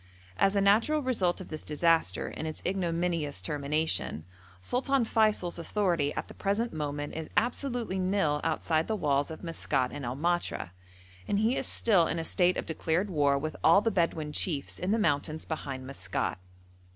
As a natural result of this disaster and its ignominious termination, Sultan Feysul's authority at the present moment is absolutely nil outside the walls of Maskat and El Matra, and he is still in a state of declared war with all the Bedouin chiefs in the mountains behind Maskat.